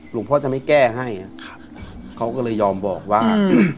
หลวงพ่อจะไม่แก้ให้เขาก็เลยยอมบอกว่า